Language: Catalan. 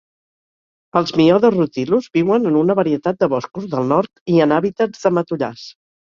Els Myodes rutilus viuen en una varietat de boscos del nord i en hàbitats de matollars.